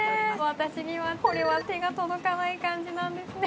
私にはこれは手が届かない感じなんですね。